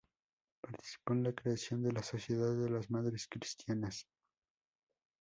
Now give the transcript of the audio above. Participó en la creación de la Sociedad de las Madres Cristianas.